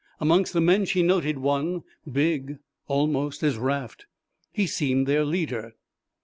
Amongst the men she noted one, big almost as Raft. He seemed their leader.